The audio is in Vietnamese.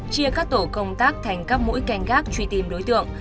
chia các tổ công tác thành các mũi canh gác truy tìm đối tượng